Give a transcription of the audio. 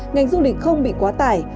ngành du lịch không bị quá tải